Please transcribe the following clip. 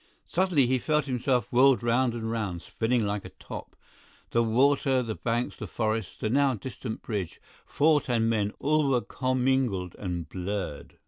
Suddenly he felt himself whirled round and round—spinning like a top. The water, the banks, the forests, the now distant bridge, fort and men, all were commingled and blurred.